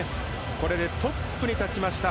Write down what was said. これでトップに立ちました。